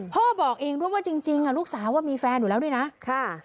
พ่อบอกเองด้วยว่าจริงลูกสาวมีแฟนอยู่แล้วด้วยนะค่ะ